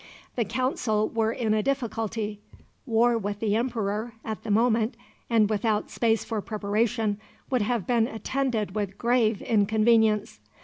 The Council were in a difficulty. War with the Emperor, at that moment, and without space for preparation, would have been attended with grave inconvenience.